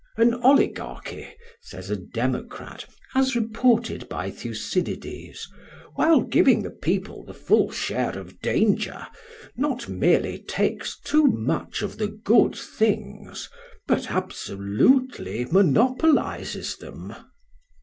"An oligarchy," says a democrat, as reported by Thucydides, "while giving the people the full share of danger, not merely takes too much of the good things, but absolutely monopolises them."